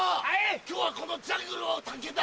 今日はこのジャングルを探検だ。